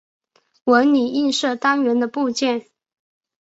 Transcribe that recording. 纹理映射单元的部件。